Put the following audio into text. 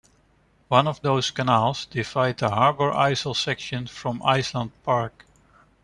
One of those canals divides the Harbor Isle section from Island Park.